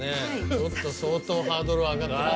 ちょっと相当ハードル上がってますああ